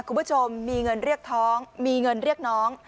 คุณผู้ชมมีเงินเรียกท้องมีเงินเรียกน้อง